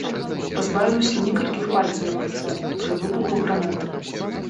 Пазбавіўся некалькіх пальцаў на руцэ пры выбуху гранаты.